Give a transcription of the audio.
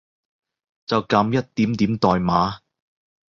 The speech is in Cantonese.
就噉一點點代碼